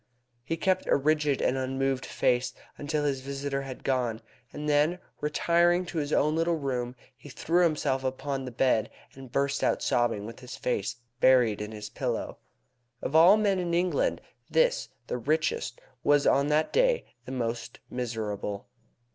He kept a rigid and unmoved face until his visitor had gone, and then retiring to his own little room, he threw himself upon the bed and burst out sobbing with his face buried in the pillow. Of all men in England, this, the richest, was on that day the most miserable.